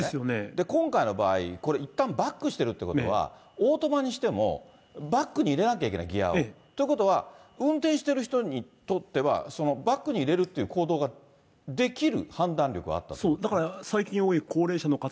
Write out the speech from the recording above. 今回の場合、これ、いったんバックしてるってことは、オートマにしても、バックに入れなきゃいけない、ギアを。ということは、運転している人にとっては、バックに入れるという行動ができる判断力はあったってことですよ